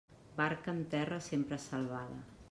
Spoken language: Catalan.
Barca en terra, sempre salvada.